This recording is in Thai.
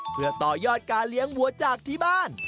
เพื่อต่อยอดการเลี้ยงวัวจากที่บ้าน